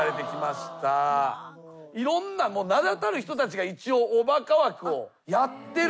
いろんな名だたる人たちが一応おバカ枠をやってる。